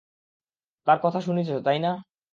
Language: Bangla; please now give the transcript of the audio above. তার কথা শুনেছো তাই না?